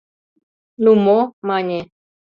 — Ну мо? — мане.